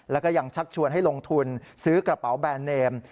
แล้วก็ยังชักชวนให้ลงทุนซื้อกระเป๋าแบรนด์เนม